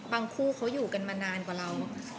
คู่เขาอยู่กันมานานกว่าเรา